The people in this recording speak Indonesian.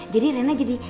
jadi rena jadi